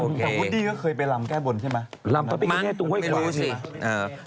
รำเขาไปแก้แก้ตุ๊กเว้ยขวา